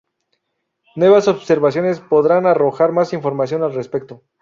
Nuevas observaciones podrán arrojar más información al respecto.